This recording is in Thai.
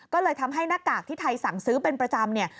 ก็เลยทำให้หน้ากากที่ไทยสั่งซื้อเป็นประจำเนี่ย